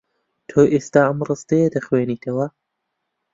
تۆ ئێستا ئەم ڕستەیە دەخوێنیتەوە.